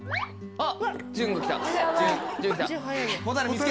あっ！